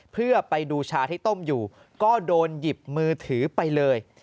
เพื่อไปดูชาที่ต้มอยู่ก็โดนหยิบมือถือไปเลย